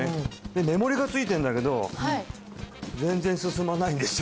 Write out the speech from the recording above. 目盛りが付いてるんだけど全然進まないんですよ